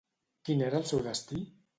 Quin era el seu destí?